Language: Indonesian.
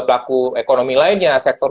pelaku ekonomi lainnya sektor